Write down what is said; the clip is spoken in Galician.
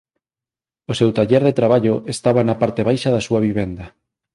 O seu taller de traballo estaba na parte baixa da súa vivenda.